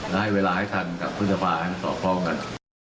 แล้วให้เวลาให้ทันกับพฤษภาคมสอบพร้อมกัน